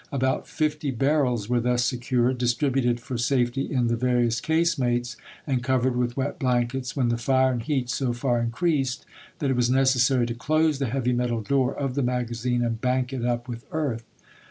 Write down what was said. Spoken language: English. About fifty barrels were thus secured, distributed for safety in the various casemates, and covered with wet blankets, when the fire and heat so far increased that it was necessary to close the heavy metal door of the magazine and bank it up with earth.